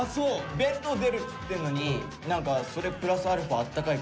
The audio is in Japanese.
弁当出るっつってんのに何かそれプラスアルファあったかい